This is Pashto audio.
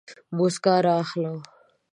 موسکا رااخلم